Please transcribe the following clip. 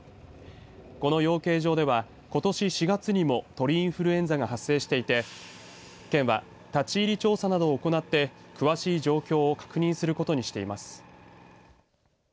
この養鶏場では、ことし４月にも鳥インフルエンザが発生していて県は立ち入り調査などを行って詳しい状況を確認することにしています。